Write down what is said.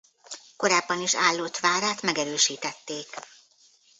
Korábban is állott várát megerősítették.